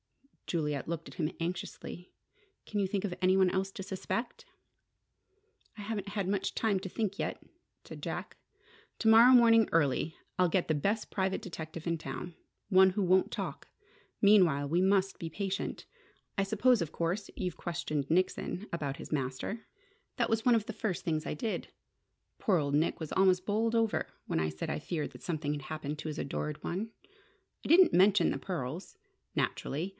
Juliet looked at him anxiously. "Can you think of any one else to suspect?" "I haven't had much time to think yet," said Jack. "To morrow morning early, I'll get the best private detective in town: one who won't talk. Meanwhile, we must be patient. I suppose, of course, you've questioned Nickson about his master?" "That was one of the first things I did. Poor old Nick was almost bowled over when I said I feared that something had happened to his adored one. I didn't mention the pearls naturally!